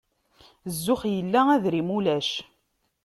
Zzux illa, adrim ulac.